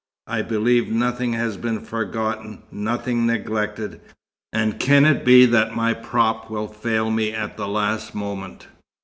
I believe nothing has been forgotten, nothing neglected. And can it be that my prop will fail me at the last moment?"